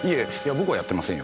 僕はやってませんよ。